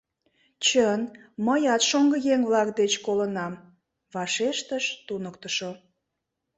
— Чын, мыят шоҥгыеҥ-влак деч колынам, — вашештыш туныктышо.